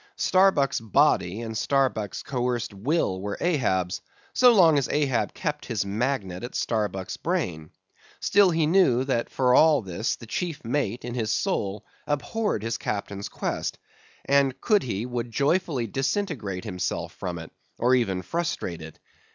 Starbuck's body and Starbuck's coerced will were Ahab's, so long as Ahab kept his magnet at Starbuck's brain; still he knew that for all this the chief mate, in his soul, abhorred his captain's quest, and could he, would joyfully disintegrate himself from it, or even frustrate it.